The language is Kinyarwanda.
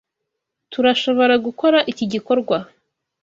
Tturashoboragukora iki gikorwa.